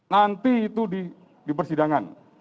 nanti itu di persidangan